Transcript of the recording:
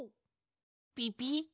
ピピッ？